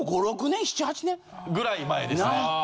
７８年？ぐらい前ですね。